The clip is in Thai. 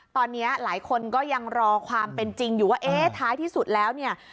ตอนนี้หลายคนก็ยังรอความเป็นจริงอยู่ว่าเอ๊ะท้ายที่สุดแล้วเนี่ย